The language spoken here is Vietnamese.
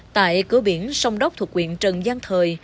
tại cửa biển sông đốc thuộc quyện trần giang thời